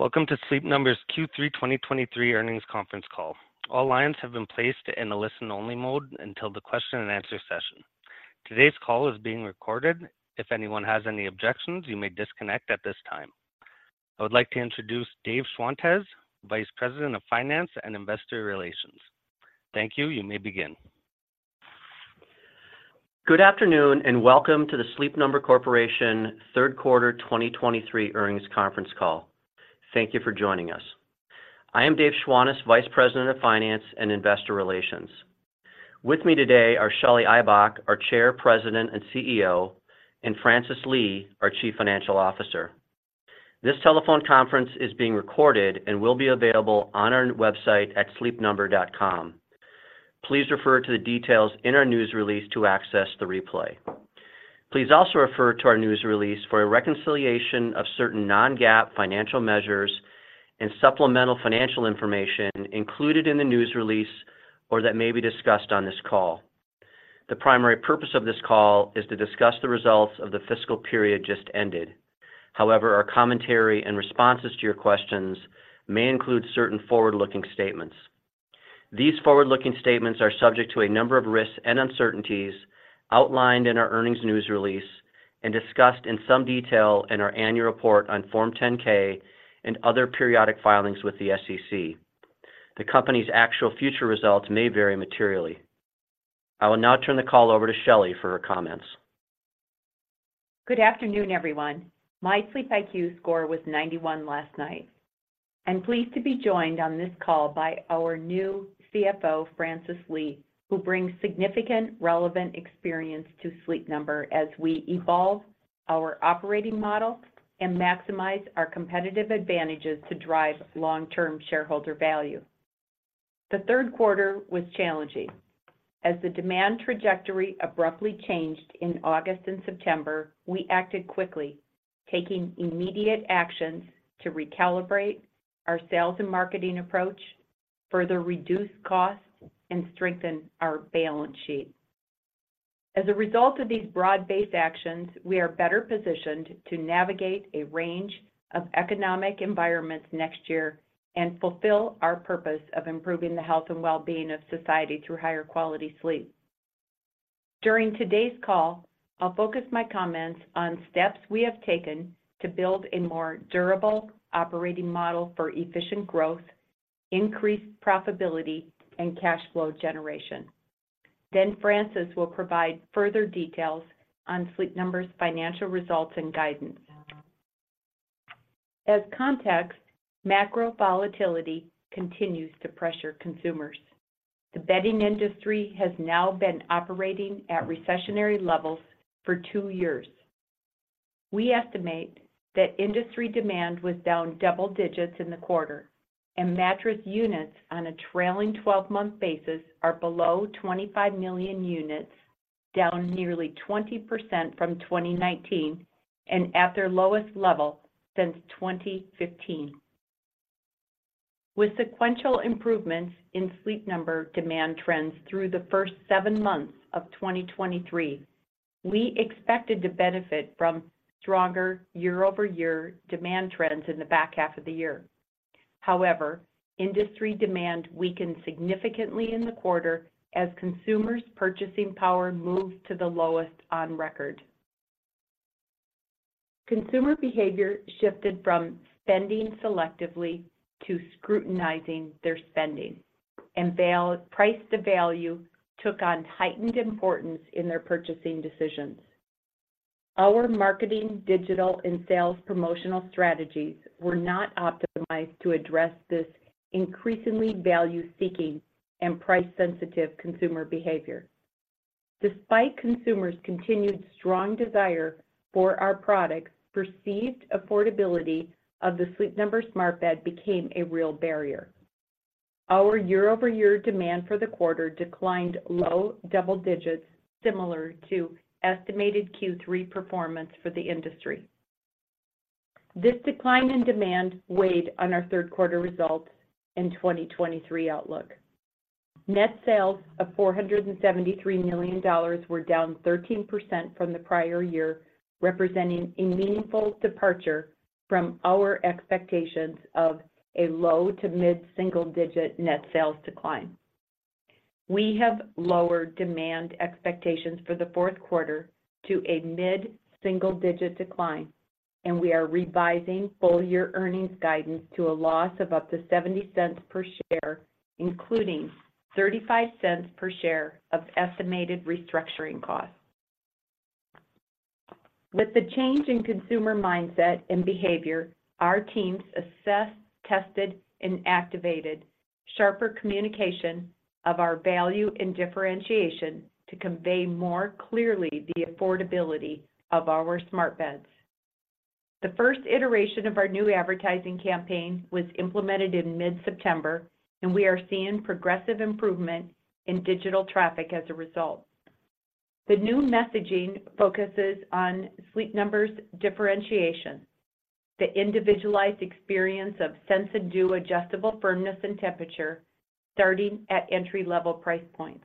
Welcome to Sleep Number's Q3 2023 earnings conference call. All lines have been placed in a listen-only mode until the question-and-answer session. Today's call is being recorded. If anyone has any objections, you may disconnect at this time. I would like to introduce Dave Schwantes, Vice President of Finance and Investor Relations. Thank you. You may begin. Good afternoon, and welcome to the Sleep Number Corporation third quarter 2023 earnings conference call. Thank you for joining us. I am Dave Schwantes, Vice President of Finance and Investor Relations. With me today are Shelly Ibach, our Chair, President, and CEO, and Francis Lee, our Chief Financial Officer. This telephone conference is being recorded and will be available on our website at sleepnumber.com. Please refer to the details in our news release to access the replay. Please also refer to our news release for a reconciliation of certain non-GAAP financial measures and supplemental financial information included in the news release or that may be discussed on this call. The primary purpose of this call is to discuss the results of the fiscal period just ended. However, our commentary and responses to your questions may include certain forward-looking statements. These forward-looking statements are subject to a number of risks and uncertainties outlined in our earnings news release and discussed in some detail in our annual report on Form 10-K and other periodic filings with the SEC. The company's actual future results may vary materially. I will now turn the call over to Shelly for her comments. Good afternoon, everyone. My SleepIQ score was 91 last night. I'm pleased to be joined on this call by our new CFO, Francis Lee, who brings significant relevant experience to Sleep Number as we evolve our operating model and maximize our competitive advantages to drive long-term shareholder value. The third quarter was challenging. As the demand trajectory abruptly changed in August and September, we acted quickly, taking immediate actions to recalibrate our sales and marketing approach, further reduce costs, and strengthen our balance sheet. As a result of these broad-based actions, we are better positioned to navigate a range of economic environments next year and fulfill our purpose of improving the health and well-being of society through higher quality sleep. During today's call, I'll focus my comments on steps we have taken to build a more durable operating model for efficient growth, increased profitability, and cash flow generation. Then Francis will provide further details on Sleep Number's financial results and guidance. As context, macro volatility continues to pressure consumers. The bedding industry has now been operating at recessionary levels for two years. We estimate that industry demand was down double-digits in the quarter, and mattress units on a trailing 12-month basis are below 25 million units, down nearly 20% from 2019 and at their lowest level since 2015. With sequential improvements in Sleep Number demand trends through the first seven months of 2023, we expected to benefit from stronger year-over-year demand trends in the back half of the year. However, industry demand weakened significantly in the quarter as consumers' purchasing power moved to the lowest on record. Consumer behavior shifted from spending selectively to scrutinizing their spending, and value-price to value took on heightened importance in their purchasing decisions. Our marketing, digital, and sales promotional strategies were not optimized to address this increasingly value-seeking and price-sensitive consumer behavior. Despite consumers' continued strong desire for our products, perceived affordability of the Sleep Number Smart Bed became a real barrier. Our year-over-year demand for the quarter declined low double-digits, similar to estimated Q3 performance for the industry. This decline in demand weighed on our third quarter results in 2023 outlook. Net sales of $473 million were down 13% from the prior year, representing a meaningful departure from our expectations of a low mid-single-digit net sales decline. We have lowered demand expectations for the fourth quarter to mid-single-digit decline, and we are revising full-year earnings guidance to a loss of up to $0.70 per share, including $0.35 per share of estimated restructuring costs. With the change in consumer mindset and behavior, our teams assessed, tested, and activated sharper communication of our value and differentiation to convey more clearly the affordability of our Smart Beds. The first iteration of our new advertising campaign was implemented in mid-September, and we are seeing progressive improvement in digital traffic as a result. The new messaging focuses on Sleep Number's differentiation, the individualized experience of sense and do adjustable firmness and temperature, starting at entry-level price points.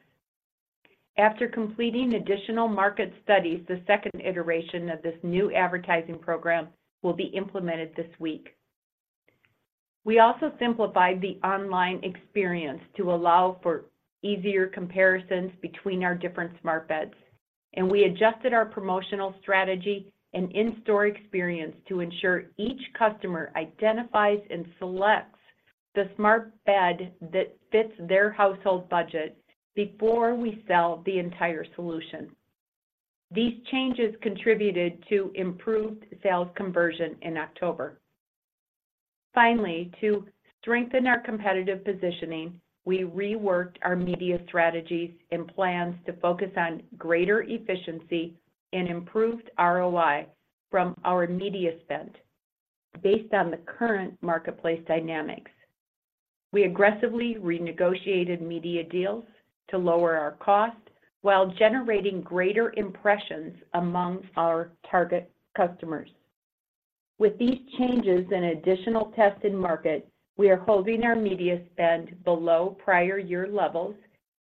After completing additional market studies, the second iteration of this new advertising program will be implemented this week. We also simplified the online experience to allow for easier comparisons between our different Smart Beds, and we adjusted our promotional strategy and in-store experience to ensure each customer identifies and selects the Smart Bed that fits their household budget before we sell the entire solution. These changes contributed to improved sales conversion in October. Finally, to strengthen our competitive positioning, we reworked our media strategies and plans to focus on greater efficiency and improved ROI from our media spend, based on the current marketplace dynamics. We aggressively renegotiated media deals to lower our cost, while generating greater impressions among our target customers. With these changes and additional tested market, we are holding our media spend below prior year levels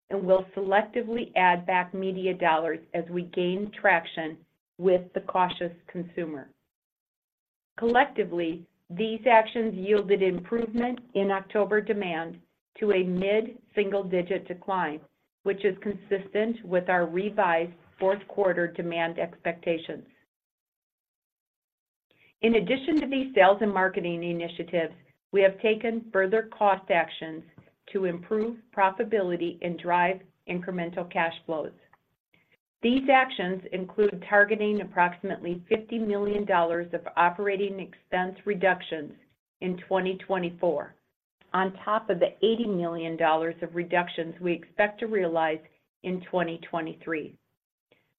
and will selectively add back media dollars as we gain traction with the cautious consumer. Collectively, these actions yielded improvement in October demand to mid-single-digit decline, which is consistent with our revised fourth quarter demand expectations. In addition to these sales and marketing initiatives, we have taken further cost actions to improve profitability and drive incremental cash flows. These actions include targeting approximately $50 million of operating expense reductions in 2024, on top of the $80 million of reductions we expect to realize in 2023.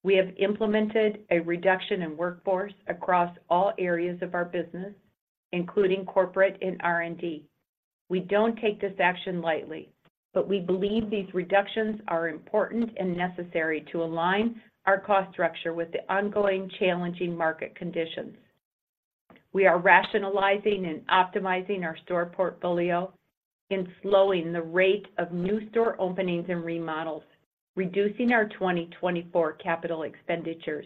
We have implemented a reduction in workforce across all areas of our business, including corporate and R&D. We don't take this action lightly, but we believe these reductions are important and necessary to align our cost structure with the ongoing challenging market conditions. We are rationalizing and optimizing our store portfolio and slowing the rate of new store openings and remodels, reducing our 2024 capital expenditures.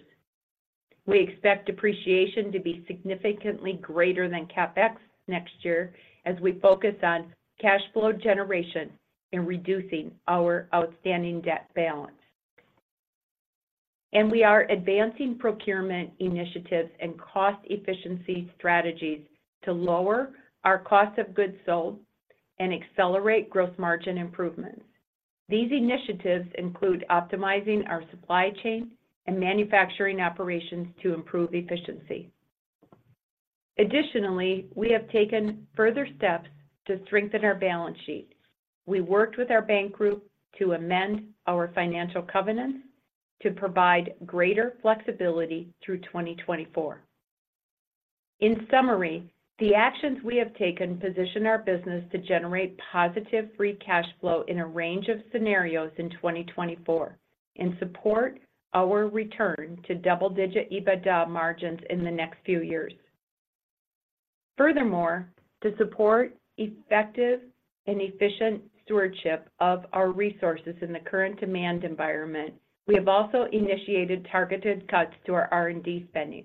We expect depreciation to be significantly greater than CapEx next year as we focus on cash flow generation and reducing our outstanding debt balance. We are advancing procurement initiatives and cost efficiency strategies to lower our cost of goods sold and accelerate gross margin improvements. These initiatives include optimizing our supply chain and manufacturing operations to improve efficiency. Additionally, we have taken further steps to strengthen our balance sheet. We worked with our bank group to amend our financial covenants to provide greater flexibility through 2024. In summary, the actions we have taken position our business to generate positive free cash flow in a range of scenarios in 2024 and support our return double-digit EBITDA margins in the next few years. Furthermore, to support effective and efficient stewardship of our resources in the current demand environment, we have also initiated targeted cuts to our R&D spending.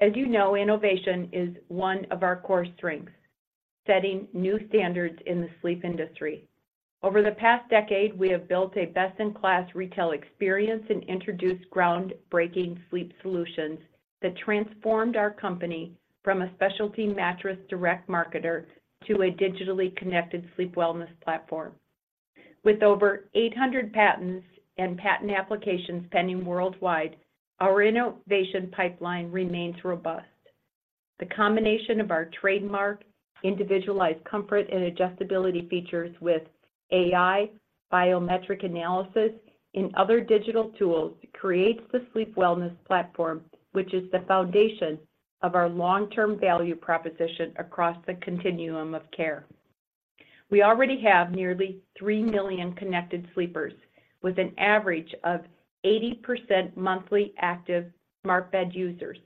As you know, innovation is one of our core strengths, setting new standards in the sleep industry. Over the past decade, we have built a best-in-class retail experience and introduced groundbreaking sleep solutions that transformed our company from a specialty mattress direct marketer to a digitally connected sleep wellness platform. With over 800 patents and patent applications pending worldwide, our innovation pipeline remains robust. The combination of our trademark, individualized comfort and adjustability features with AI, biometric analysis, and other digital tools, creates the sleep wellness platform, which is the foundation of our long-term value proposition across the continuum of care. We already have nearly 3 million connected sleepers, with an average of 80% monthly active Smart Bed users.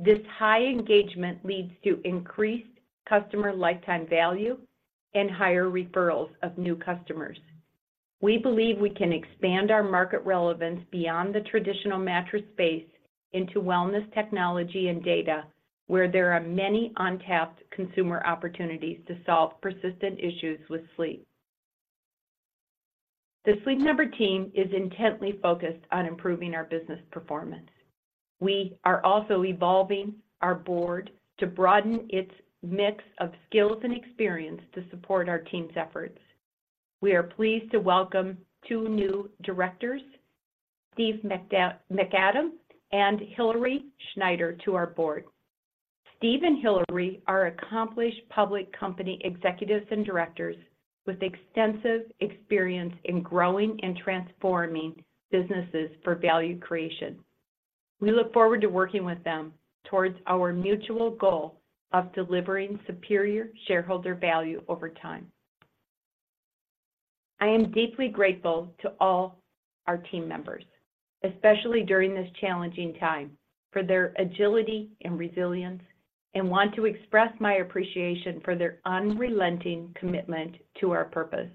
This high engagement leads to increased customer lifetime value and higher referrals of new customers. We believe we can expand our market relevance beyond the traditional mattress space into wellness, technology, and data, where there are many untapped consumer opportunities to solve persistent issues with sleep. The Sleep Number team is intently focused on improving our business performance. We are also evolving our board to broaden its mix of skills and experience to support our team's efforts. We are pleased to welcome two new Directors, Steve Macadam and Hilary Schneider, to our Board. Steve and Hilary are accomplished public company executives and directors with extensive experience in growing and transforming businesses for value creation. We look forward to working with them towards our mutual goal of delivering superior shareholder value over time. I am deeply grateful to all our team members, especially during this challenging time, for their agility and resilience, and want to express my appreciation for their unrelenting commitment to our purpose.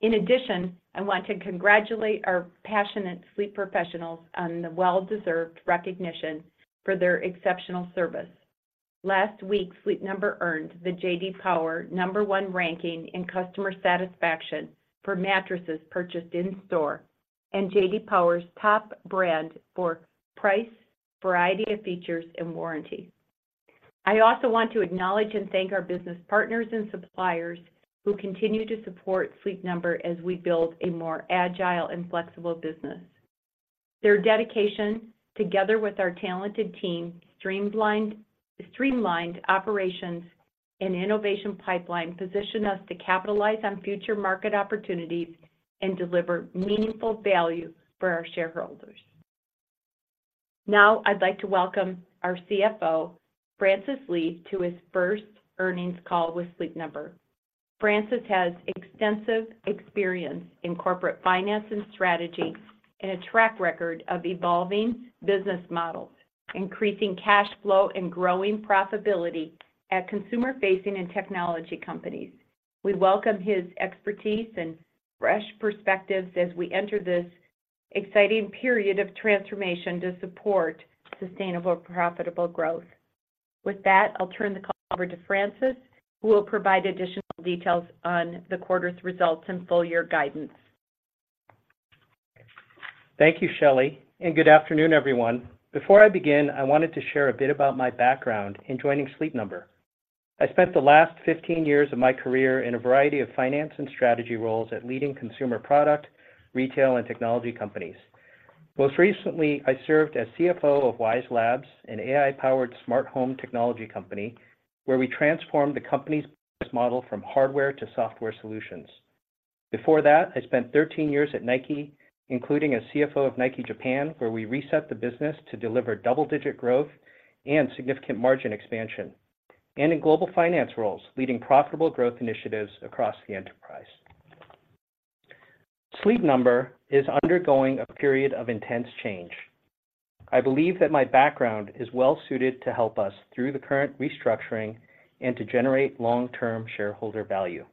In addition, I want to congratulate our passionate sleep professionals on the well-deserved recognition for their exceptional service. Last week, Sleep Number earned the J.D. Power Number One Ranking in Customer Satisfaction for Mattresses Purchased in Store, and J.D. Power's Top Brand for Price, Variety of Features, and Warranty. I also want to acknowledge and thank our business partners and suppliers who continue to support Sleep Number as we build a more agile and flexible business. Their dedication, together with our talented team, streamlined operations and innovation pipeline, position us to capitalize on future market opportunities and deliver meaningful value for our shareholders. Now, I'd like to welcome our CFO, Francis Lee, to his first earnings call with Sleep Number. Francis has extensive experience in corporate finance and strategy, and a track record of evolving business models, increasing cash flow, and growing profitability at consumer-facing and technology companies. We welcome his expertise and fresh perspectives as we enter this exciting period of transformation to support sustainable, profitable growth. With that, I'll turn the call over to Francis, who will provide additional details on the quarter's results and full-year guidance. Thank you, Shelly, and good afternoon, everyone. Before I begin, I wanted to share a bit about my background in joining Sleep Number. I spent the last 15 years of my career in a variety of finance and strategy roles at leading consumer product, retail, and technology companies. Most recently, I served as CFO of Wyze Labs, an AI-powered smart home technology company, where we transformed the company's model from hardware to software solutions. Before that, I spent 13 years at Nike, including as CFO of Nike Japan, where we reset the business to deliver double-digit growth and significant margin expansion, and in global finance roles, leading profitable growth initiatives across the enterprise. Sleep Number is undergoing a period of intense change. I believe that my background is well suited to help us through the current restructuring and to generate long-term shareholder value.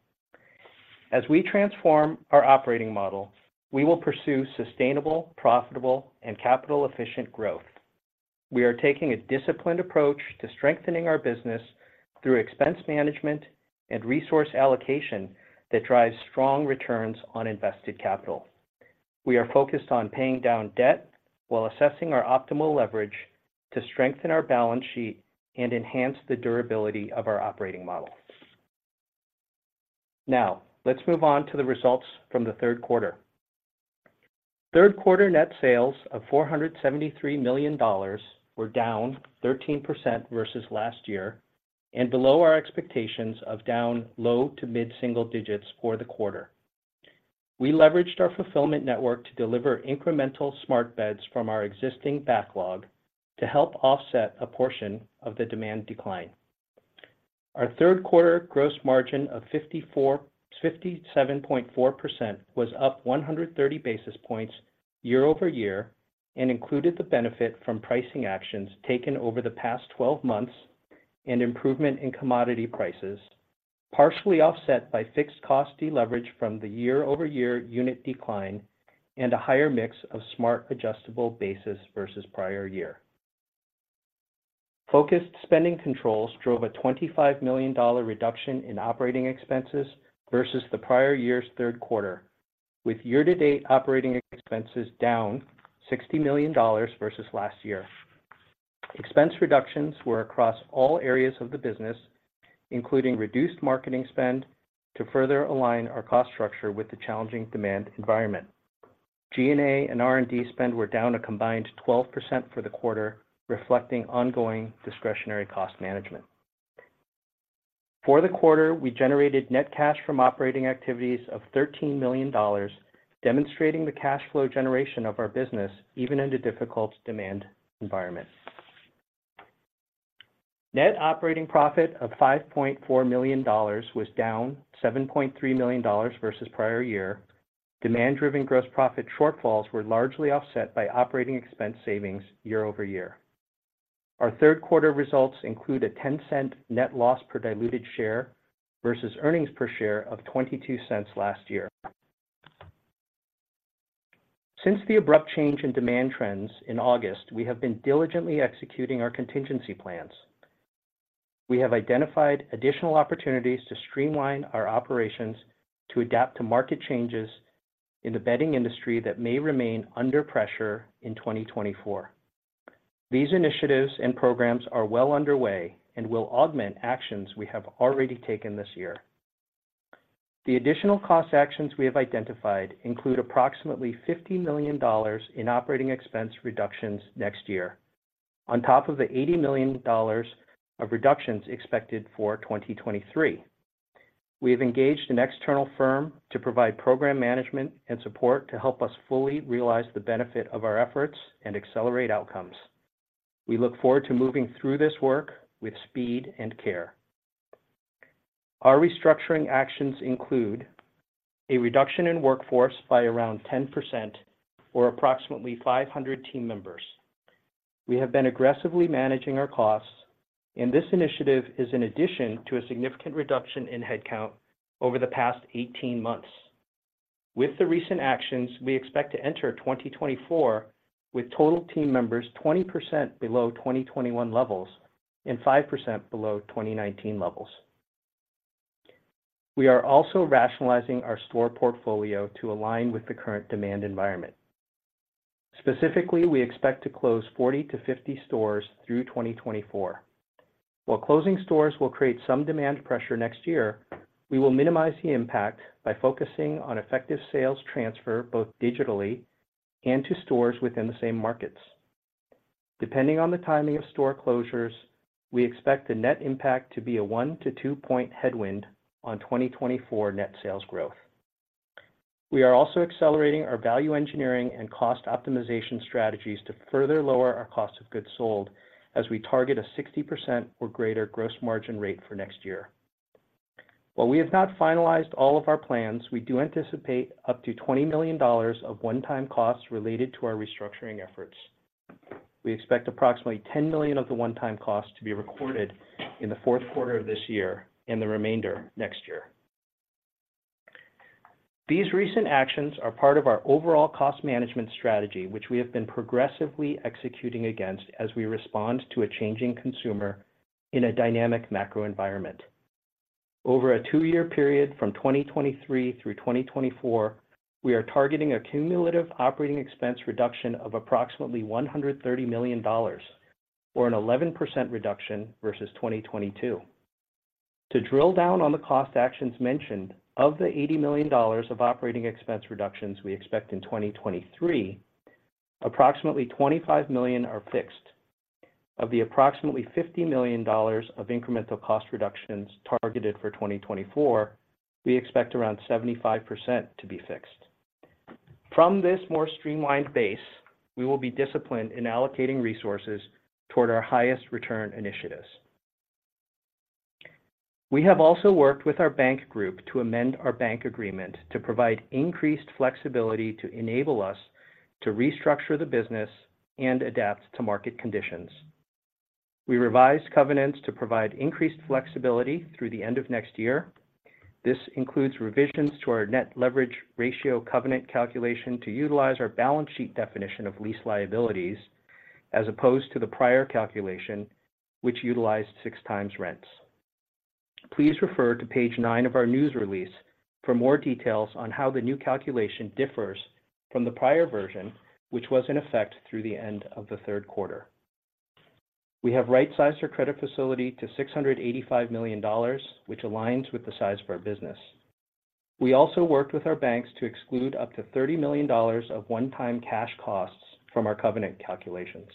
As we transform our operating model, we will pursue sustainable, profitable, and capital-efficient growth. We are taking a disciplined approach to strengthening our business through expense management and resource allocation that drives strong returns on invested capital. We are focused on paying down debt while assessing our optimal leverage to strengthen our balance sheet and enhance the durability of our operating model. Now, let's move on to the results from the third quarter. Third quarter net sales of $473 million were down 13% versus last year and below our expectations of down low to mid-single-digits for the quarter. We leveraged our fulfillment network to deliver incremental Smart Beds from our existing backlog to help offset a portion of the demand decline. Our third quarter gross margin of 57.4% was up 130 basis points year-over-year and included the benefit from pricing actions taken over the past 12 months and improvement in commodity prices, partially offset by fixed cost deleverage from the year-over-year unit decline and a higher mix of Smart Adjustable Bases versus prior year. Focused spending controls drove a $25 million reduction in operating expenses versus the prior year's third quarter, with year-to-date operating expenses down $60 million versus last year. Expense reductions were across all areas of the business, including reduced marketing spend, to further align our cost structure with the challenging demand environment. G&A and R&D spend were down a combined 12% for the quarter, reflecting ongoing discretionary cost management. For the quarter, we generated net cash from operating activities of $13 million, demonstrating the cash flow generation of our business, even in a difficult demand environment. Net operating profit of $5.4 million was down $7.3 million versus prior year. Demand-driven gross profit shortfalls were largely offset by operating expense savings year-over-year. Our third quarter results include a $0.10 net loss per diluted share versus earnings per share of $0.22 last year. Since the abrupt change in demand trends in August, we have been diligently executing our contingency plans. We have identified additional opportunities to streamline our operations to adapt to market changes in the bedding industry that may remain under pressure in 2024. These initiatives and programs are well underway and will augment actions we have already taken this year. The additional cost actions we have identified include approximately $50 million in operating expense reductions next year, on top of the $80 million of reductions expected for 2023. We have engaged an external firm to provide program management and support to help us fully realize the benefit of our efforts and accelerate outcomes. We look forward to moving through this work with speed and care. Our restructuring actions include a reduction in workforce by around 10% or approximately 500 team members. We have been aggressively managing our costs, and this initiative is in addition to a significant reduction in headcount over the past 18 months. With the recent actions, we expect to enter 2024 with total team members 20% below 2021 levels and 5% below 2019 levels. We are also rationalizing our store portfolio to align with the current demand environment. Specifically, we expect to close 40-50 stores through 2024. While closing stores will create some demand pressure next year, we will minimize the impact by focusing on effective sales transfer, both digitally and to stores within the same markets. Depending on the timing of store closures, we expect the net impact to be a one to two-point headwind on 2024 net sales growth. We are also accelerating our value engineering and cost optimization strategies to further lower our cost of goods sold as we target a 60% or greater gross margin rate for next year. While we have not finalized all of our plans, we do anticipate up to $20 million of one-time costs related to our restructuring efforts. We expect approximately $10 million of the one-time costs to be recorded in the fourth quarter of this year and the remainder next year. These recent actions are part of our overall cost management strategy, which we have been progressively executing against as we respond to a changing consumer in a dynamic macro environment. Over a two-year period from 2023 through 2024, we are targeting a cumulative operating expense reduction of approximately $130 million or an 11% reduction versus 2022. To drill down on the cost actions mentioned, of the $80 million of operating expense reductions we expect in 2023, approximately $25 million are fixed. Of the approximately $50 million of incremental cost reductions targeted for 2024, we expect around 75% to be fixed. From this more streamlined base, we will be disciplined in allocating resources toward our highest return initiatives. We have also worked with our bank group to amend our bank agreement to provide increased flexibility to enable us to restructure the business and adapt to market conditions. We revised covenants to provide increased flexibility through the end of next year. This includes revisions to our net leverage ratio covenant calculation to utilize our balance sheet definition of lease liabilities, as opposed to the prior calculation, which utilized six times rents. Please refer to page nine of our news release for more details on how the new calculation differs from the prior version, which was in effect through the end of the third quarter. We have right-sized our credit facility to $685 million, which aligns with the size of our business. We also worked with our banks to exclude up to $30 million of one-time cash costs from our covenant calculations.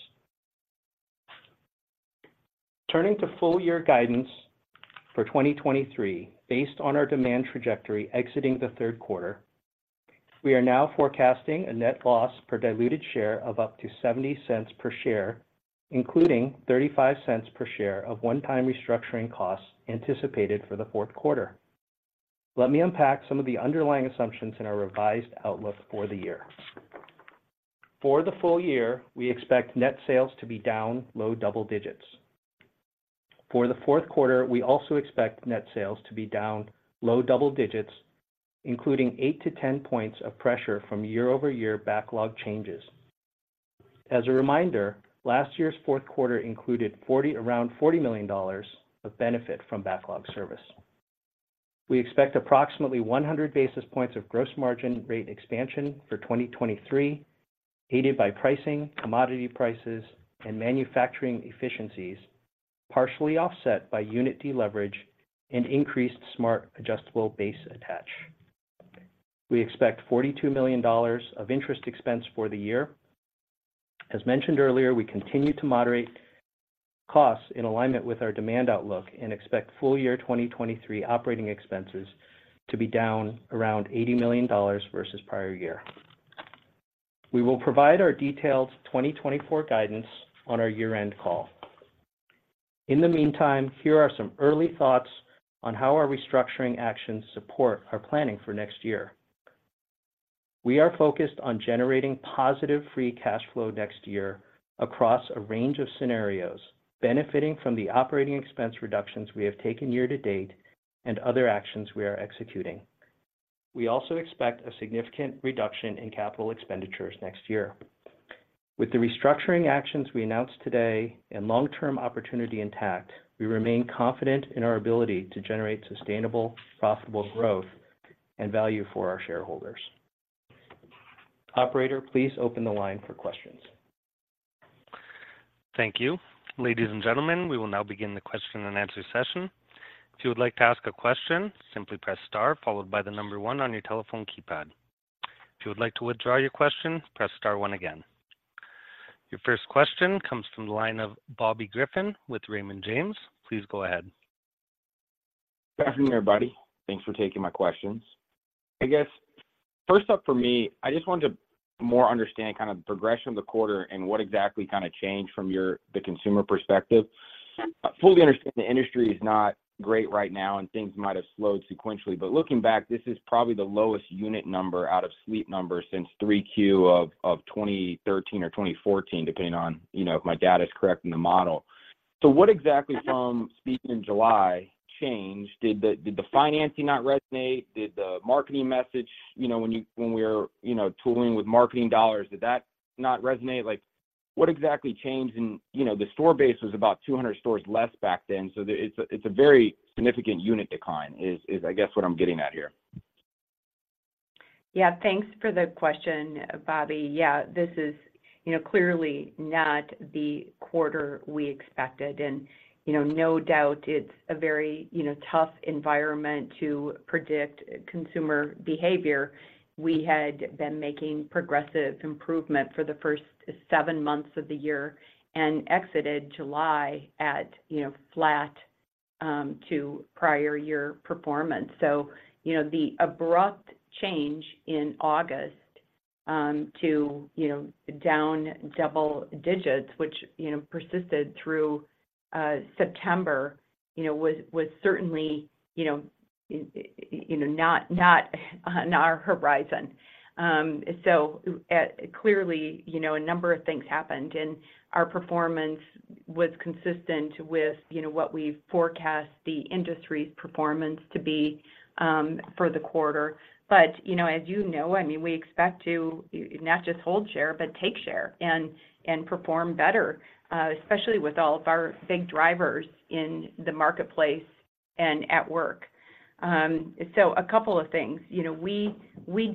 Turning to full-year guidance for 2023, based on our demand trajectory exiting the third quarter, we are now forecasting a net loss per diluted share of up to $0.70 per share, including $0.35 per share of one-time restructuring costs anticipated for the fourth quarter. Let me unpack some of the underlying assumptions in our revised outlook for the year. For the full-year, we expect net sales to be down low double-digits. For the fourth quarter, we also expect net sales to be down low double-digits, including eight to 10 points of pressure from year-over-year backlog changes. As a reminder, last year's fourth quarter included around $40 million of benefit from backlog service. We expect approximately 100 basis points of gross margin rate expansion for 2023, aided by pricing, commodity prices, and manufacturing efficiencies, partially offset by unit deleverage and increased Smart Adjustable Base attach. We expect $42 million of interest expense for the year. As mentioned earlier, we continue to moderate costs in alignment with our demand outlook and expect full-year 2023 operating expenses to be down around $80 million versus prior year. We will provide our detailed 2024 guidance on our year-end call. In the meantime, here are some early thoughts on how our restructuring actions support our planning for next year. We are focused on generating positive free cash flow next year across a range of scenarios, benefiting from the operating expense reductions we have taken year to date and other actions we are executing. We also expect a significant reduction in capital expenditures next year. With the restructuring actions we announced today and long-term opportunity intact, we remain confident in our ability to generate sustainable, profitable growth and value for our shareholders. Operator, please open the line for questions. Thank you. Ladies and gentlemen, we will now begin the question-and-answer session. If you would like to ask a question, simply press star followed by the number one on your telephone keypad. If you would like to withdraw your question, press star one again. Your first question comes from the line of Bobby Griffin with Raymond James. Please go ahead. Good afternoon, everybody. Thanks for taking my questions. I guess. First up for me, I just wanted to more understand kind of the progression of the quarter and what exactly kind of changed from your, the consumer perspective. I fully understand the industry is not great right now, and things might have slowed sequentially, but looking back, this is probably the lowest unit number out of Sleep Number's since 3Q of 2013 or 2014, depending on, you know, if my data is correct in the model. So what exactly from speaking in July changed? Did the, did the financing not resonate? Did the marketing message, you know, when you, when we were, you know, tooling with marketing dollars, did that not resonate? Like, what exactly changed? You know, the store base was about 200 stores less back then, so it's a very significant unit decline, I guess what I'm getting at here. Yeah. Thanks for the question, Bobby. Yeah, this is, you know, clearly not the quarter we expected, and, you know, no doubt, it's a very, you know, tough environment to predict consumer behavior. We had been making progressive improvement for the first seven months of the year and exited July at, you know, flat to prior year performance. So, you know, the abrupt change in August to, you know, down double-digits, which, you know, persisted through September, you know, was certainly, you know, not on our horizon. So, clearly, you know, a number of things happened, and our performance was consistent with, you know, what we forecast the industry's performance to be for the quarter. But, you know, as you know, I mean, we expect to, not just hold share, but take share and perform better, especially with all of our big drivers in the marketplace and at work. So a couple of things. You know, we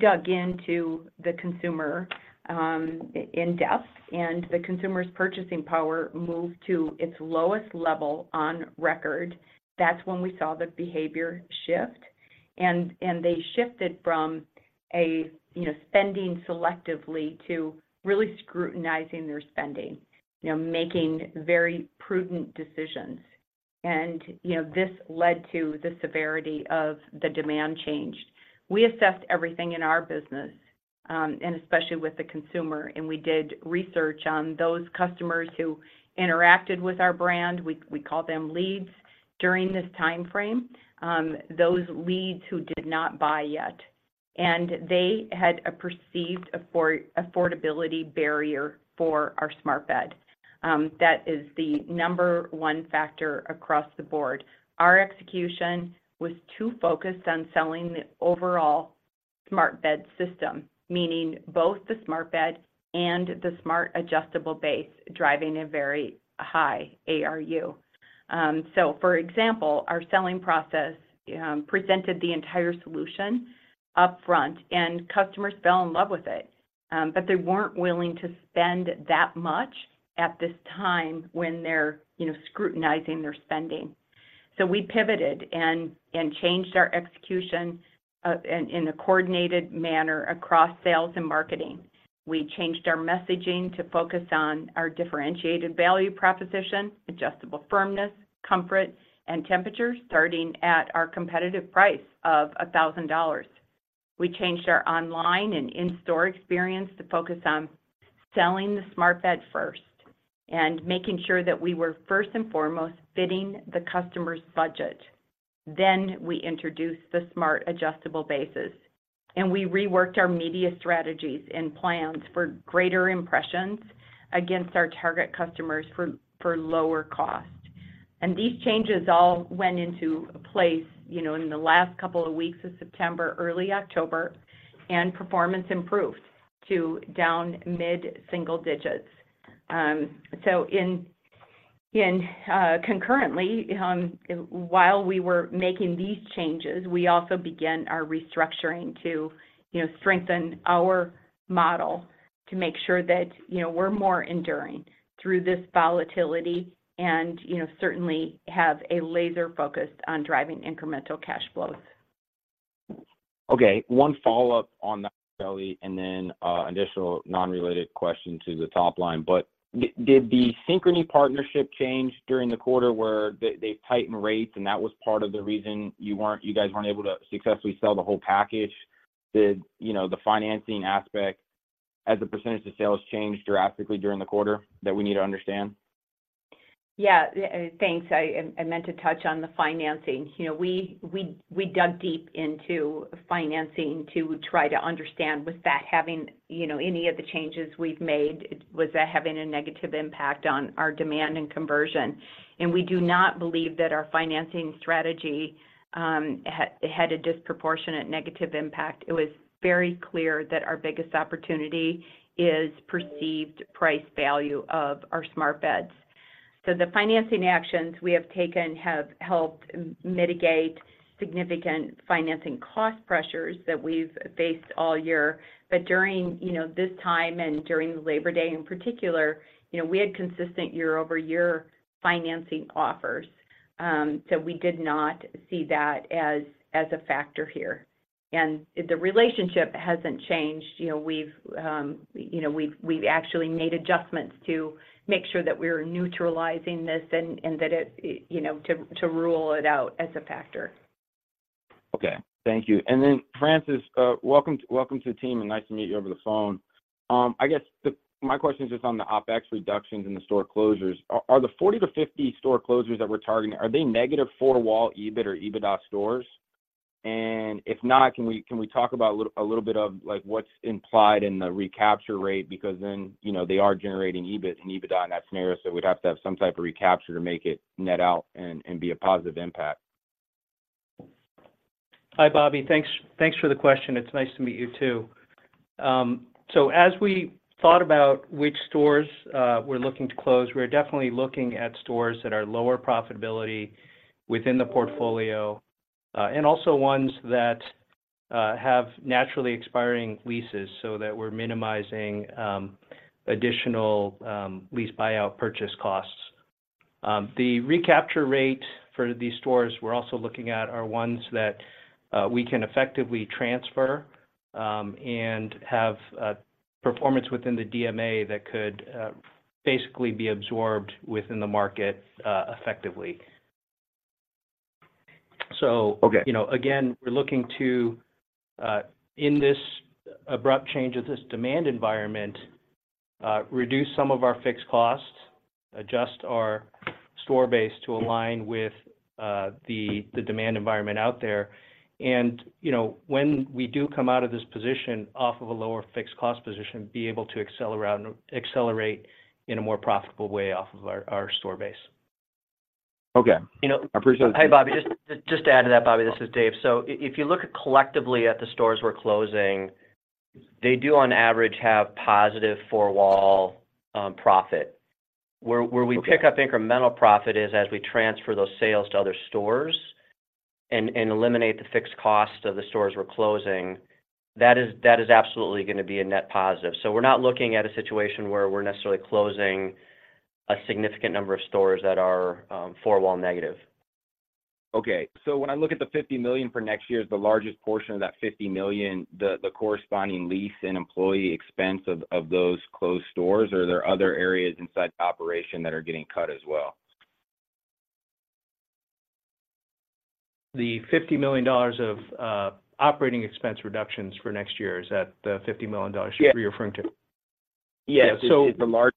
dug into the consumer, in-depth, and the consumer's purchasing power moved to its lowest level on record. That's when we saw the behavior shift, and they shifted from a, you know, spending selectively to really scrutinizing their spending, you know, making very prudent decisions. And, you know, this led to the severity of the demand change. We assessed everything in our business, and especially with the consumer, and we did research on those customers who interacted with our brand, we call them leads, during this time frame, those leads who did not buy yet, and they had a perceived affordability barrier for our Smart Bed. That is the number one factor across the board. Our execution was too focused on selling the overall Smart Bed System, meaning both the Smart Bed and the Smart Adjustable Base, driving a very high ARU. So for example, our selling process presented the entire solution upfront, and customers fell in love with it. But they weren't willing to spend that much at this time when they're, you know, scrutinizing their spending. So we pivoted and changed our execution in a coordinated manner across sales and marketing. We changed our messaging to focus on our differentiated value proposition, adjustable firmness, comfort, and temperature, starting at our competitive price of $1,000. We changed our online and in-store experience to focus on selling the Smart Bed first and making sure that we were, first and foremost, fitting the customer's budget. Then we introduced the Smart Adjustable Bases, and we reworked our media strategies and plans for greater impressions against our target customers for, for lower cost. And these changes all went into place, you know, in the last couple of weeks of September, early October, and performance improved to down mid-single-digits. Concurrently, while we were making these changes, we also began our restructuring to, you know, strengthen our model to make sure that, you know, we're more enduring through this volatility and, you know, certainly have a laser focus on driving incremental cash flows. Okay, one follow-up on that, Shelly, and then an additional non-related question to the top line. But did the Synchrony partnership change during the quarter where they tightened rates, and that was part of the reason you weren't, you guys weren't able to successfully sell the whole package? Did, you know, the financing aspect as a percentage of sales change drastically during the quarter that we need to understand? Yeah, thanks. I, I meant to touch on the financing. You know, we dug deep into financing to try to understand was that having, you know, any of the changes we've made, was that having a negative impact on our demand and conversion? And we do not believe that our financing strategy had a disproportionate negative impact. It was very clear that our biggest opportunity is perceived price value of our Smart Beds. So the financing actions we have taken have helped mitigate significant financing cost pressures that we've faced all year. But during, you know, this time and during Labor Day in particular, you know, we had consistent year-over-year financing offers. So we did not see that as a factor here. And the relationship hasn't changed. You know, we've actually made adjustments to make sure that we're neutralizing this and that it, you know, to rule it out as a factor. Okay, thank you. And then, Francis, welcome to, welcome to the team, and nice to meet you over the phone. I guess my question is just on the OpEx reductions and the store closures. Are, are the 40-50 store closures that we're targeting, are they negative four-wall EBIT or EBITDA stores? And if not, can we, can we talk about a little, a little bit of, like, what's implied in the recapture rate? Because then, you know, they are generating EBIT and EBITDA in that scenario, so we'd have to have some type of recapture to make it net out and, and be a positive impact. Hi, Bobby. Thanks, thanks for the question. It's nice to meet you, too. So as we thought about which stores we're looking to close, we're definitely looking at stores that are lower profitability within the portfolio, and also ones that have naturally expiring leases so that we're minimizing additional lease buyout purchase costs. The recapture rate for these stores we're also looking at are ones that we can effectively transfer and have performance within the DMA that could basically be absorbed within the market effectively. So. Okay. You know, again, we're looking to, in this abrupt change of this demand environment, reduce some of our fixed costs, adjust our store base to align with the demand environment out there. And, you know, when we do come out of this position off of a lower fixed cost position, be able to accelerate in a more profitable way off of our store base. Okay. You know. I appreciate it. Hey, Bobby. Just, just to add to that, Bobby, this is Dave. So if you look collectively at the stores we're closing, they do, on average, have positive four-wall profit. Okay. Where we pick up incremental profit is as we transfer those sales to other stores and eliminate the fixed cost of the stores we're closing, that is absolutely gonna be a net positive. So we're not looking at a situation where we're necessarily closing a significant number of stores that are four-wall negative. Okay. So when I look at the $50 million for next year, is the largest portion of that $50 million, the, the corresponding lease and employee expense of, of those closed stores, or are there other areas inside the operation that are getting cut as well? The $50 million of operating expense reductions for next year, is that the $50 million. Yeah. You're referring to? Yeah. So. Is the large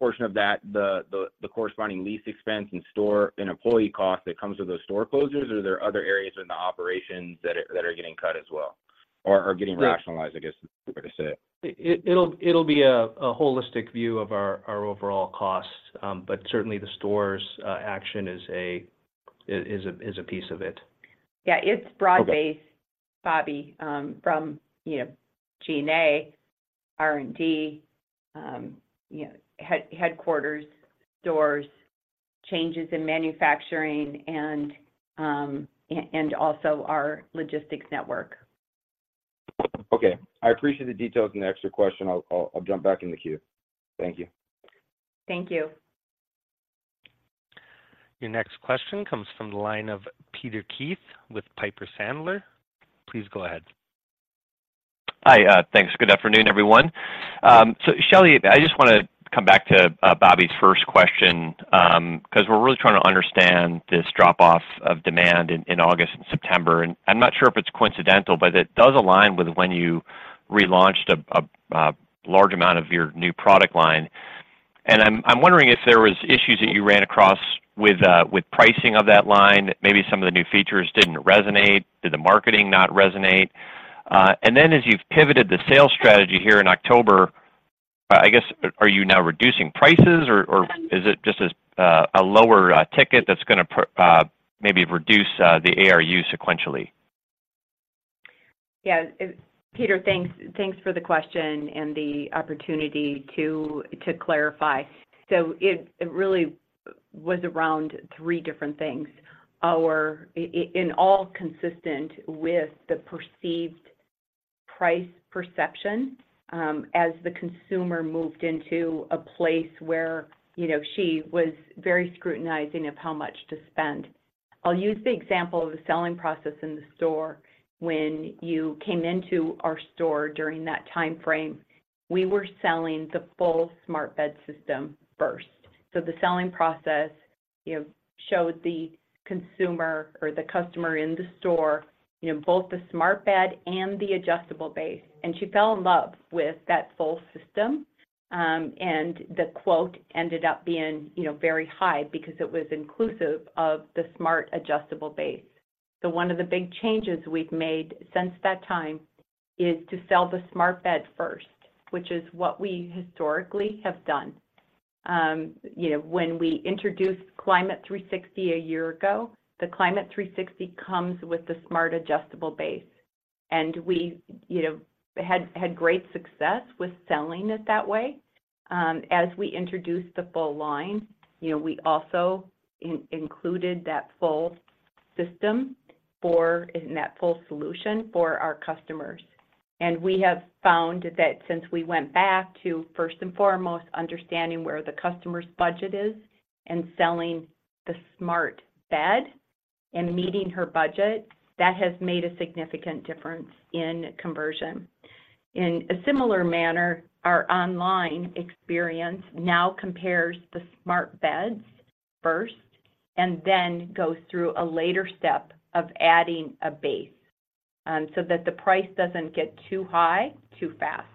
portion of that the corresponding lease expense and store and employee cost that comes with those store closures, or are there other areas in the operations that are getting cut as well, or are getting. Yeah. Rationalized, I guess, is the way to say it. It'll be a holistic view of our overall costs. But certainly the stores action is a piece of it. Yeah, it's broad-based. Okay. Bobby, from, you know, G&A, R&D, you know, headquarters, stores, changes in manufacturing, and also our logistics network. Okay. I appreciate the details and the extra question. I'll jump back in the queue. Thank you. Thank you. Your next question comes from the line of Peter Keith with Piper Sandler. Please go ahead. Hi, thanks. Good afternoon, everyone. So Shelly, I just wanna come back to, Bobby's first question, 'cause we're really trying to understand this drop-off of demand in August and September. And I'm not sure if it's coincidental, but it does align with when you relaunched a large amount of your new product line. And I'm wondering if there was issues that you ran across with pricing of that line, maybe some of the new features didn't resonate. Did the marketing not resonate? And then as you've pivoted the sales strategy here in October, I guess, are you now reducing prices, or is it just a lower ticket that's gonna maybe reduce the ARU sequentially? Yeah, Peter, thanks, thanks for the question and the opportunity to clarify. So it really was around three different things. Our and all consistent with the perceived price perception, as the consumer moved into a place where, you know, she was very scrutinizing of how much to spend. I'll use the example of the selling process in the store. When you came into our store during that time frame, we were selling the full Smart Bed System first. So the selling process, you know, showed the consumer or the customer in the store, you know, both the Smart Bed and the Adjustable Base, and she fell in love with that full system. And the quote ended up being, you know, very high because it was inclusive of the Smart Adjustable Base. So one of the big changes we've made since that time is to sell the Smart Bed first, which is what we historically have done. You know, when we introduced Climate360 a year ago, the Climate360 comes with the Smart Adjustable Base, and we, you know, had great success with selling it that way. As we introduced the full line, you know, we also included that full system and that full solution for our customers. And we have found that since we went back to, first and foremost, understanding where the customer's budget is, and selling the Smart Bed and meeting her budget, that has made a significant difference in conversion. In a similar manner, our online experience now compares the Smart Beds. First, and then go through a later step of adding a base, so that the price doesn't get too high, too fast,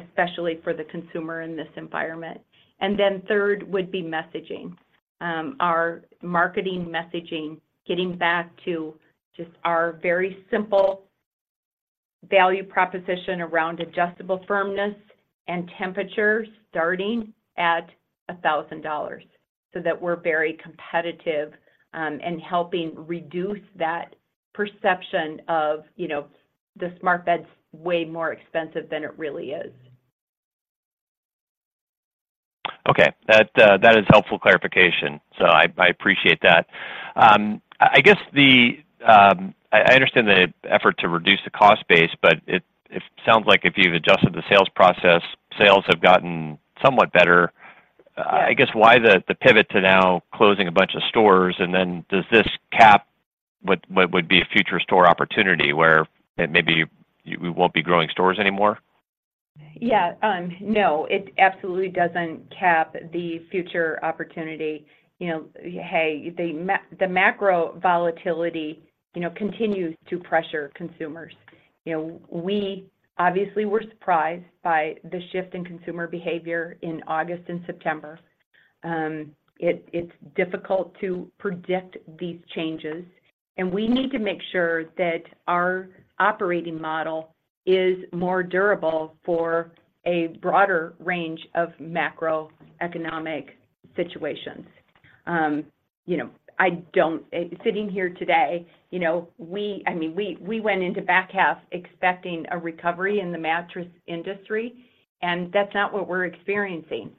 especially for the consumer in this environment. And then third would be messaging. Our marketing messaging, getting back to just our very simple value proposition around adjustable firmness and temperature, starting at $1,000, so that we're very competitive, in helping reduce that perception of, you know, the Smart Bed's way more expensive than it really is. Okay, that is helpful clarification, so I appreciate that. I guess I understand the effort to reduce the cost base, but it sounds like if you've adjusted the sales process, sales have gotten somewhat better. Yeah. I guess why the pivot to now closing a bunch of stores, and then does this cap what would be a future store opportunity, where maybe we won't be growing stores anymore? Yeah. No, it absolutely doesn't cap the future opportunity. You know, hey, the macro volatility, you know, continues to pressure consumers. You know, we obviously were surprised by the shift in consumer behavior in August and September. It's difficult to predict these changes, and we need to make sure that our operating model is more durable for a broader range of macroeconomic situations. You know, sitting here today, you know, I mean, we went into back half expecting a recovery in the mattress industry, and that's not what we're experiencing.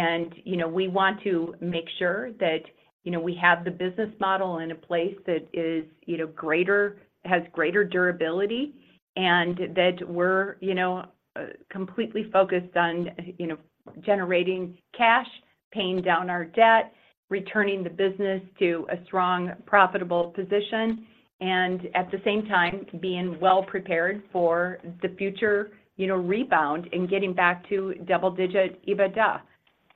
You know, we want to make sure that, you know, we have the business model in a place that is, you know, greater, has greater durability, and that we're, you know, completely focused on, you know, generating cash, paying down our debt, returning the business to a strong, profitable position, and at the same time, being well prepared for the future, you know, rebound and getting back to double-digit EBITDA.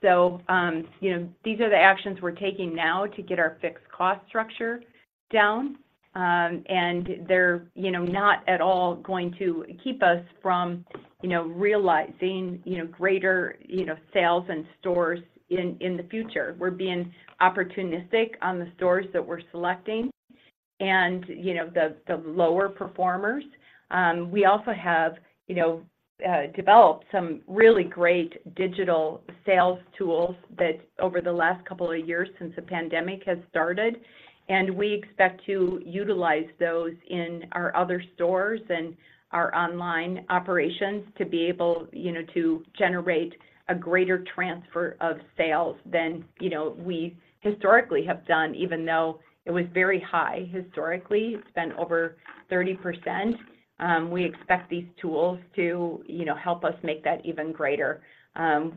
So, you know, these are the actions we're taking now to get our fixed cost structure down. And they're, you know, not at all going to keep us from, you know, realizing, you know, greater, you know, sales and stores in, in the future. We're being opportunistic on the stores that we're selecting and, you know, the, the lower performers. We also have, you know, developed some really great digital sales tools that over the last couple of years since the pandemic has started, and we expect to utilize those in our other stores and our online operations to be able, you know, to generate a greater transfer of sales than, you know, we historically have done, even though it was very high historically. It's been over 30%. We expect these tools to, you know, help us make that even greater. And,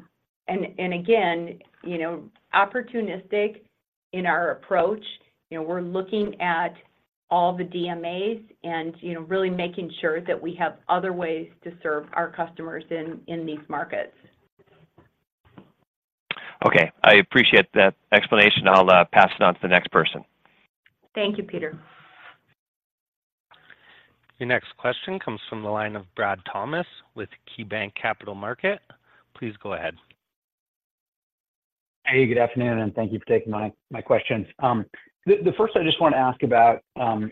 and again, you know, opportunistic in our approach, you know, we're looking at all the DMAs and, you know, really making sure that we have other ways to serve our customers in these markets. Okay, I appreciate that explanation. I'll pass it on to the next person. Thank you, Peter. Your next question comes from the line of Brad Thomas with KeyBanc Capital Markets. Please go ahead. Hey, good afternoon, and thank you for taking my questions. The first I just want to ask about a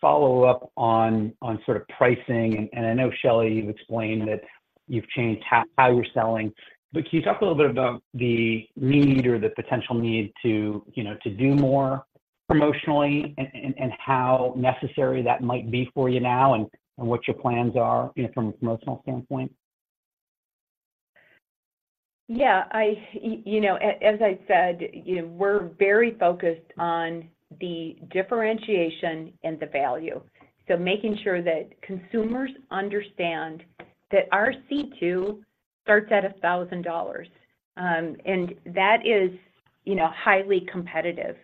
follow-up on sort of pricing, and I know, Shelly, you've explained that you've changed how you're selling, but can you talk a little bit about the need or the potential need to, you know, to do more promotionally and how necessary that might be for you now, and what your plans are, you know, from a promotional standpoint? Yeah, you know, as I said, you know, we're very focused on the differentiation and the value. So making sure that consumers understand that our C2 starts at $1,000, and that is, you know, highly competitive,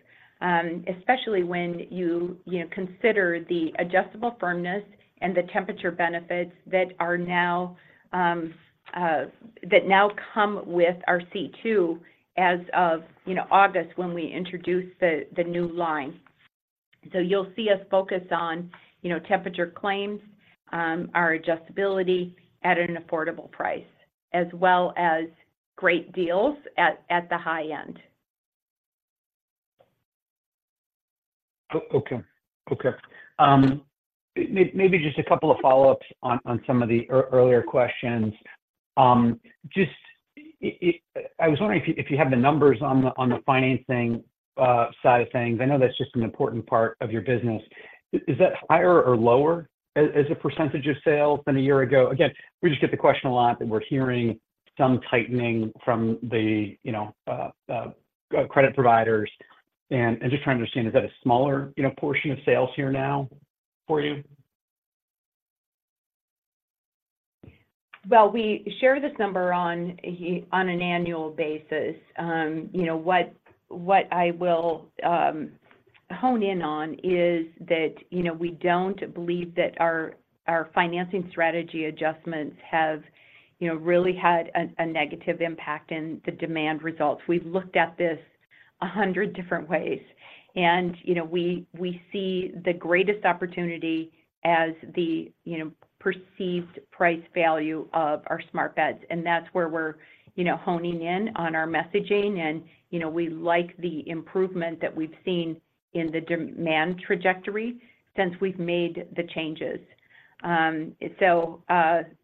especially when you, you know, consider the adjustable firmness and the temperature benefits that now come with our C2 as of, you know, August, when we introduced the new line. So you'll see us focus on, you know, temperature claims, our adjustability at an affordable price, as well as great deals at the high end. Okay. Okay. Maybe just a couple of follow-ups on some of the earlier questions. Just I was wondering if you have the numbers on the financing side of things. I know that's just an important part of your business. Is that higher or lower as a percentage of sales than a year ago? Again, we just get the question a lot, that we're hearing some tightening from the, you know, credit providers, and I'm just trying to understand, is that a smaller, you know, portion of sales here now for you? Well, we share this number on an annual basis. You know what, what I will hone in on is that, you know, we don't believe that our financing strategy adjustments have, you know, really had a negative impact in the demand results. We've looked at this 100 different ways, and, you know, we see the greatest opportunity as the, you know, perceived price value of our Smart Beds, and that's where we're, you know, honing in on our messaging. You know, we like the improvement that we've seen in the demand trajectory since we've made the changes.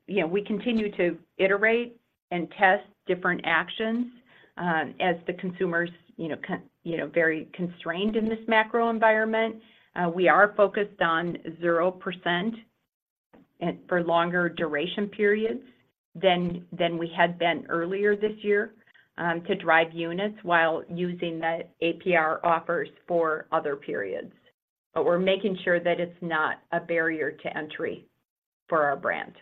You know, we continue to iterate and test different actions as the consumers, you know, you know, very constrained in this macro environment. We are focused on 0%, and for longer duration periods than we had been earlier this year, to drive units while using the APR offers for other periods. But we're making sure that it's not a barrier to entry for our brand.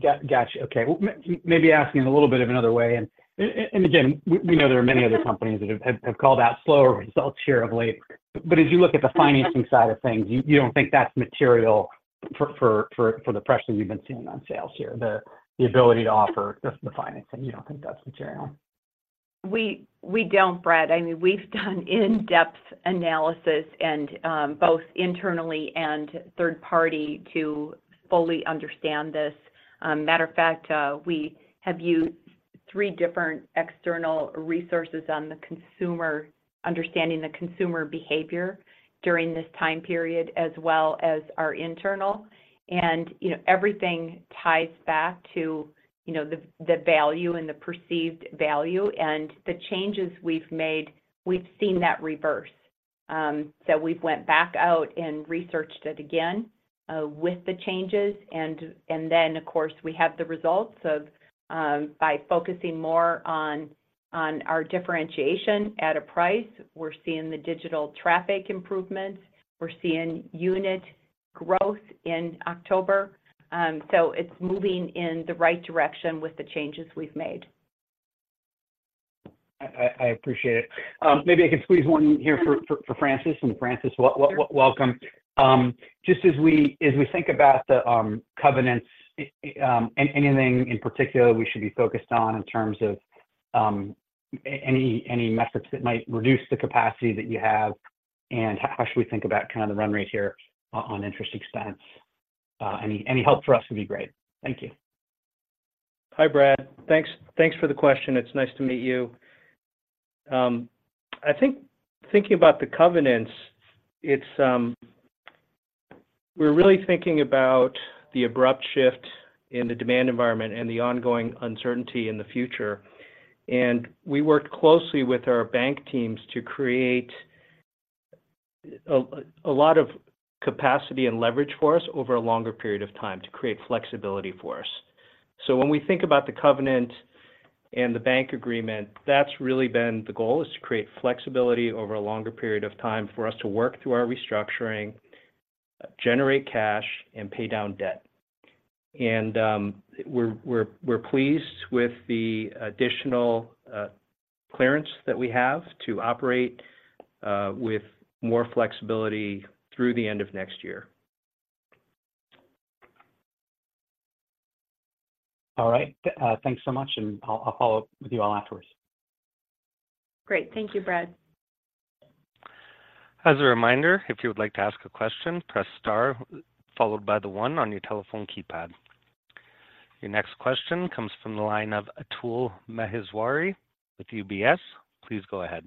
Got you. Okay. Well, maybe asking in a little bit of another way, and again, we know there are many other companies that have called out slower results here of late. But as you look at the financing side of things, you don't think that's material for the pressure you've been seeing on sales here, the ability to offer just the financing, you don't think that's material? We don't, Brad. I mean, we've done in-depth analysis and both internally and third party to fully understand this. Matter of fact, we have used three different external resources on the consumer understanding the consumer behavior during this time period, as well as our internal. And you know, everything ties back to you know, the value and the perceived value. And the changes we've made, we've seen that reverse. So we've went back out and researched it again with the changes, and then, of course, we have the results of by focusing more on our differentiation at a price. We're seeing the digital traffic improvements. We're seeing unit growth in October. So it's moving in the right direction with the changes we've made. I appreciate it. Maybe I could squeeze one in here for Francis. And Francis, welcome. Just as we think about the covenants, anything in particular we should be focused on in terms of any methods that might reduce the capacity that you have, and how should we think about kind of the run rate here on interest expense? Any help for us would be great. Thank you. Hi, Brad. Thanks for the question. It's nice to meet you. I think about the covenants. We're really thinking about the abrupt shift in the demand environment and the ongoing uncertainty in the future. We worked closely with our bank teams to create a lot of capacity and leverage for us over a longer period of time, to create flexibility for us. So when we think about the covenant and the bank agreement, that's really been the goal, is to create flexibility over a longer period of time for us to work through our restructuring, generate cash, and pay down debt. We're pleased with the additional clearance that we have to operate with more flexibility through the end of next year. All right. Thanks so much, and I'll, I'll follow up with you all afterwards. Great. Thank you, Brad. As a reminder, if you would like to ask a question, press star followed by the one on your telephone keypad. Your next question comes from the line of Atul Maheswari with UBS. Please go ahead.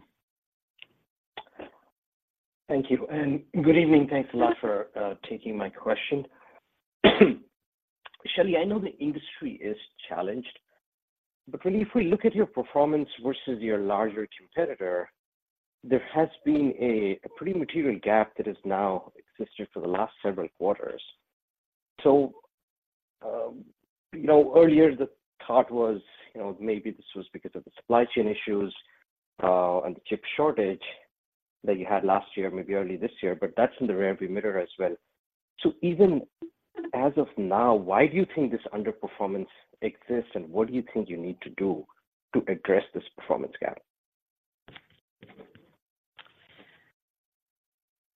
Thank you, and good evening. Thanks a lot for taking my question. Shelly, I know the industry is challenged, but if we look at your performance versus your larger competitor, there has been a pretty material gap that has now existed for the last several quarters. So, you know, earlier, the thought was, you know, maybe this was because of the supply chain issues, and the chip shortage that you had last year, maybe early this year, but that's in the rearview mirror as well. So even as of now, why do you think this underperformance exists, and what do you think you need to do to address this performance gap?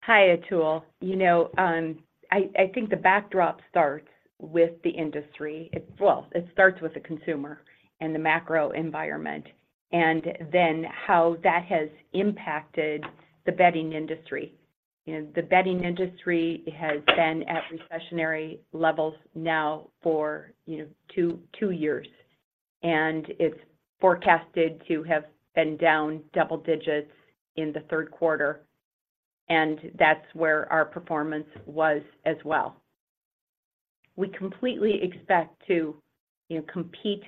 Hi, Atul. You know, I think the backdrop starts with the industry. Well, it starts with the consumer and the macro environment, and then how that has impacted the bedding industry. You know, the bedding industry has been at recessionary levels now for, you know, two years, and it's forecasted to have been down double-digits in the third quarter, and that's where our performance was as well. We completely expect to, you know, compete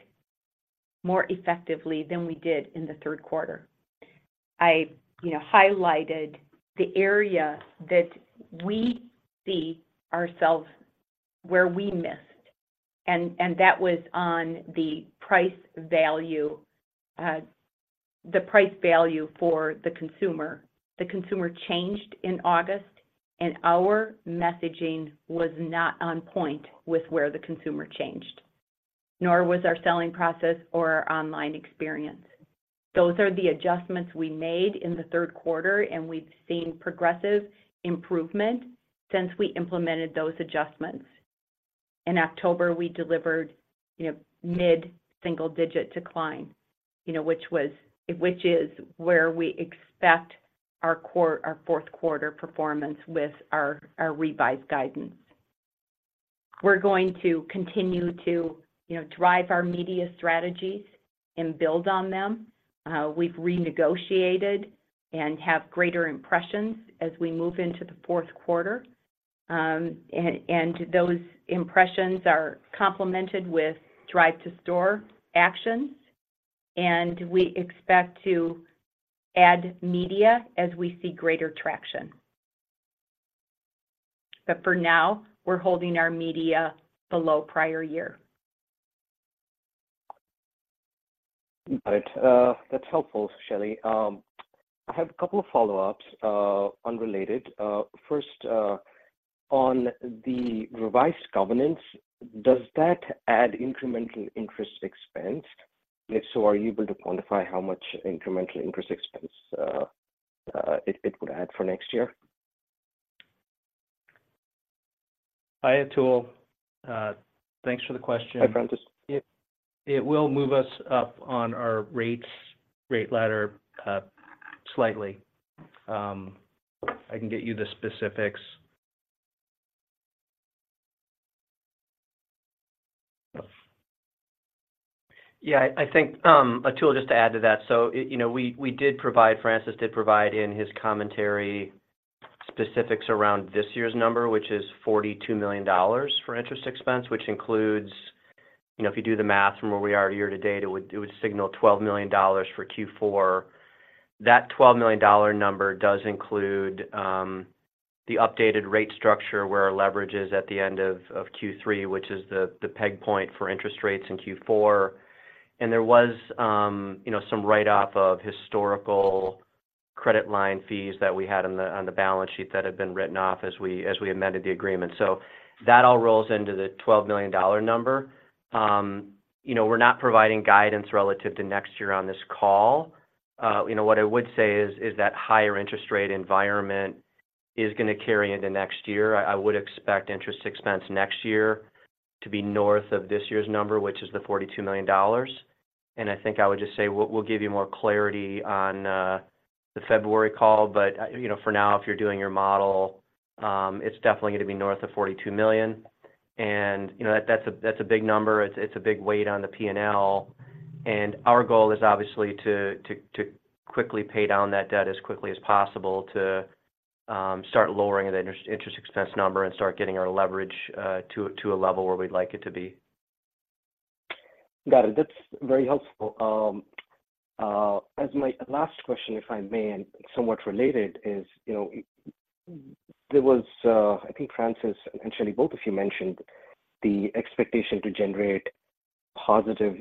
more effectively than we did in the third quarter. You know, highlighted the area that we see ourselves, where we missed, and that was on the price value, the price value for the consumer. The consumer changed in August, and our messaging was not on point with where the consumer changed nor was our selling process or our online experience. Those are the adjustments we made in the third quarter, and we've seen progressive improvement since we implemented those adjustments. In October, we delivered, you know, mid-single-digit decline, you know, which is where we expect our fourth quarter performance with our revised guidance. We're going to continue to, you know, drive our media strategies and build on them. We've renegotiated and have greater impressions as we move into the fourth quarter. And those impressions are complemented with drive to store actions, and we expect to add media as we see greater traction. But for now, we're holding our media below prior year. All right, that's helpful, Shelly. I have a couple of follow-ups, unrelated. First, on the revised covenants, does that add incremental interest expense? If so, are you able to quantify how much incremental interest expense it would add for next year? Hi, Atul. Thanks for the question. Hi, Francis. It will move us up on our rates, rate ladder, slightly. I can get you the specifics. Yeah, I think, Atul, just to add to that, so, you know, we did provide, Francis did provide in his commentary, specifics around this year's number, which is $42 million for interest expense, which includes, you know, if you do the math from where we are year to date, it would signal $12 million for Q4. That $12 million number does include the updated rate structure, where our leverage is at the end of Q3, which is the peg point for interest rates in Q4. And there was, you know, some write-off of historical credit line fees that we had on the balance sheet that had been written off as we amended the agreement. So that all rolls into the $12 million number. You know, we're not providing guidance relative to next year on this call. You know, what I would say is that higher interest rate environment is gonna carry into next year. I would expect interest expense next year to be north of this year's number, which is the $42 million. And I think I would just say, we'll give you more clarity on the February call, but you know, for now, if you're doing your model, it's definitely gonna be north of $42 million. And you know, that's a big number. It's a big weight on the P&L. And our goal is obviously to quickly pay down that debt as quickly as possible to start lowering the interest expense number and start getting our leverage to a level where we'd like it to be. Got it. That's very helpful. As my last question, if I may, and somewhat related, is, you know, there was I think Francis and Shelly, both of you mentioned the expectation to generate positive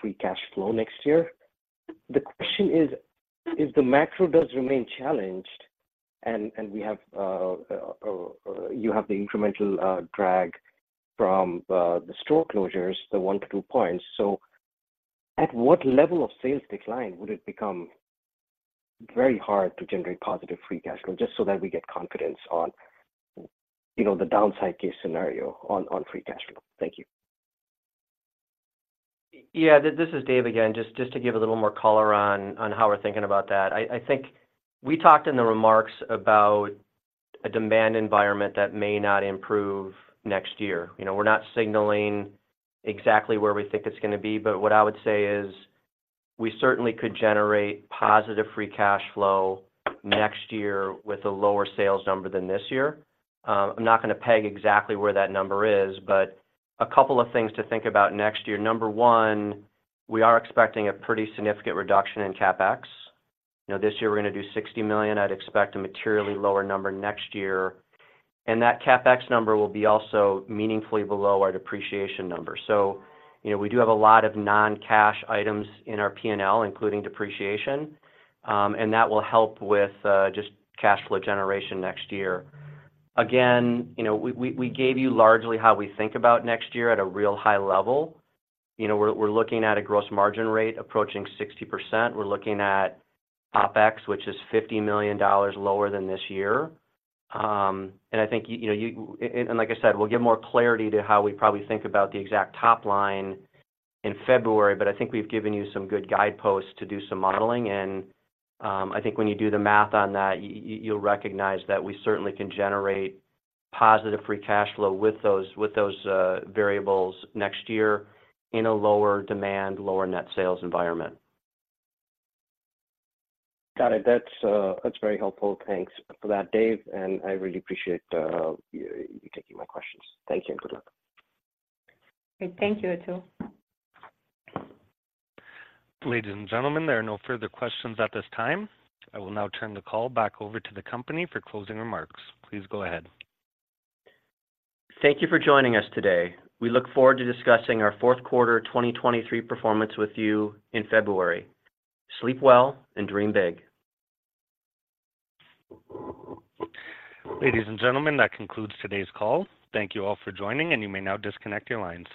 free cash flow next year. The question is, if the macro does remain challenged and you have the incremental drag from the store closures, the one to two points, so at what level of sales decline would it become very hard to generate positive free cash flow? Just so that we get confidence on, you know, the downside case scenario on free cash flow. Thank you. Yeah, this is Dave again, just to give a little more color on how we're thinking about that. I think we talked in the remarks about a demand environment that may not improve next year. You know, we're not signaling exactly where we think it's gonna be, but what I would say is, we certainly could generate positive free cash flow next year with a lower sales number than this year. I'm not gonna peg exactly where that number is, but a couple of things to think about next year. Number one, we are expecting a pretty significant reduction in CapEx. You know, this year we're gonna do $60 million. I'd expect a materially lower number next year, and that CapEx number will be also meaningfully below our depreciation number. So, you know, we do have a lot of non-cash items in our P&L, including depreciation, and that will help with just cash flow generation next year. Again, you know, we gave you largely how we think about next year at a real high level. You know, we're looking at a gross margin rate approaching 60%. We're looking at OpEx, which is $50 million lower than this year. And I think, you know, and like I said, we'll give more clarity to how we probably think about the exact top line in February, but I think we've given you some good guideposts to do some modeling. I think when you do the math on that, you’ll recognize that we certainly can generate positive free cash flow with those variables next year in a lower demand, lower net sales environment. Got it. That's very helpful. Thanks for that, Dave, and I really appreciate you taking my questions. Thank you, and good luck. Thank you, Atul. Ladies and gentlemen, there are no further questions at this time. I will now turn the call back over to the company for closing remarks. Please go ahead. Thank you for joining us today. We look forward to discussing our fourth quarter 2023 performance with you in February. Sleep well and dream big. Ladies and gentlemen, that concludes today's call. Thank you all for joining, and you may now disconnect your lines.